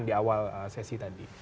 di awal sesi tadi